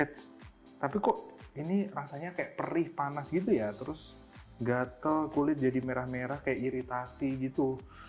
eits tapi kok ini rasanya kayak perih panas gitu ya terus gatel kulit jadi merah merah kayak iritasi gitu